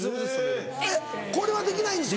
えっこれはできないんですか？